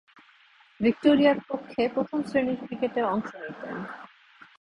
ভিক্টোরিয়ার পক্ষে প্রথম-শ্রেণীর ক্রিকেটে অংশ নিতেন।